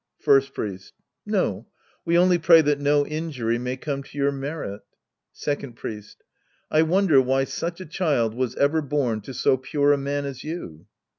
First Priest. No. We only pray that no injuiy may come to your merit. Second Priest. I wonder why such a child was ever born to so pure a man as you.